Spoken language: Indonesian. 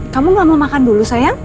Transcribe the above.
kamu gak mau makan dulu sayang